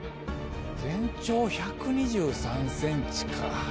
全長１２３ｃｍか。